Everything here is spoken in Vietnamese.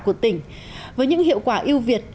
của tỉnh với những hiệu quả yêu việt